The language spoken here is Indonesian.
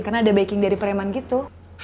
karena ada baking dari preman gitu